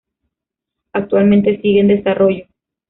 Actualmente sigue en desarrollo.